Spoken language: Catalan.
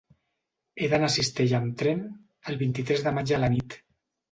He d'anar a Cistella amb tren el vint-i-tres de maig a la nit.